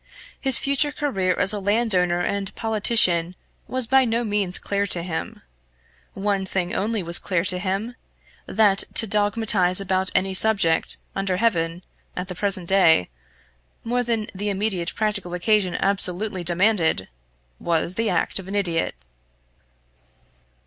His future career as a landowner and politician was by no means clear to him. One thing only was clear to him that to dogmatise about any subject under heaven, at the present day, more than the immediate practical occasion absolutely demanded, was the act of an idiot.